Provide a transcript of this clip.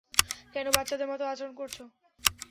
কেন বাচ্চাদের মতো আচরণ করছো।